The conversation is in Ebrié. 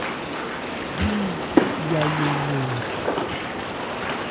Bí Yayó 'wɛn ɛ ?